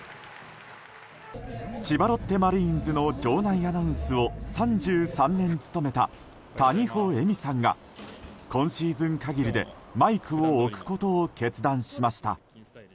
千葉ロッテマリーンズの場内アナウンスを３３年務めた谷保恵美さんが今シーズン限りでマイクを置くことを決断しました。